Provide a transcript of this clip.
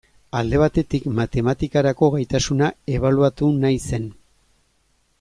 Alde batetik, matematikarako gaitasuna ebaluatu nahi zen.